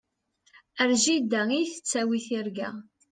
Ar jida i yi-tettawi tirga.